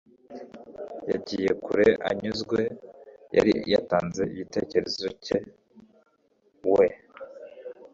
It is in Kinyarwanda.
yagiye kure anyuzwe. yari yatanze igitekerezo cye. we